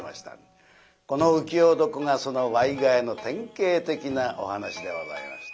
この「浮世床」がそのワイガヤの典型的なお噺でございます。